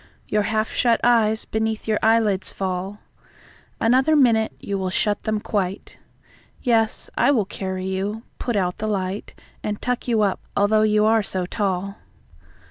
Your half shut eyes beneath your eyelids fall, Another minute, you will shut them quite. Yes, I will carry you, put out the light, And tuck you up, although you are so tall!